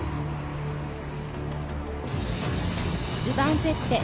ルヴァンフェッテ。